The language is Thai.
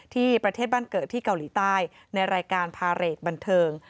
ที่ประเทศบ้านเกิดที่เกาหลีใต้ในรายการพาเรทบันเทิง